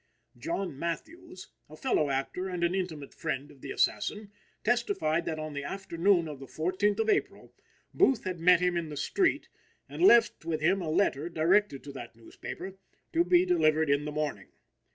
John Matthews, a fellow actor and an intimate friend of the assassin, testified that on the afternoon of the 14th of April Booth had met him in the street and left with him a letter directed to that newspaper, to be delivered in the morning.